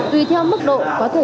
tùy theo mức độ có thể